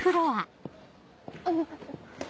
あの。